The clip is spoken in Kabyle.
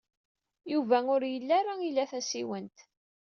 Yuba ur yelli ara ila tasiwant.